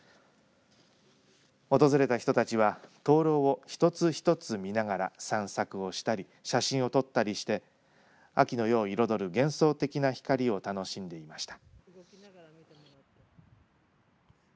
訪れた人たちは、灯籠を一つ一つ見ながら散策をしたり写真を撮ったりして秋の夜を彩る幻想的な光を楽しんでいました。